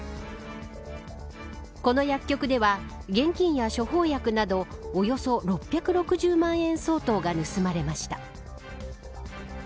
この薬局では、現金や処方薬などおよそ６６０万円相当が盗まれました。